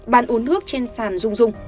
bạn uống nước trên sàn rung rung